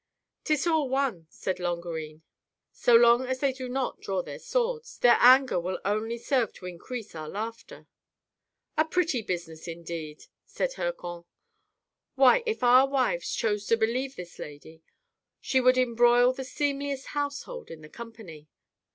"Tis all one," said Longarine :" so long as they FIRST T>AY: TALE VIII. 9 do not draw their swords, their anger will only serve to increase our laughter." " A pretty business indeed !" said Hircan. " Why, if our wives chose to believe this lady, she would embroil the seemliest household in the company."